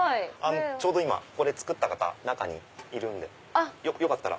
ちょうど今これ作った方中にいるんでよかったら。